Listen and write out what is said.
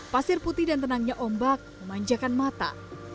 pasir putih dan tenangnya ombak memanjakan mata